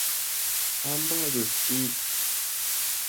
ハンバーグ好き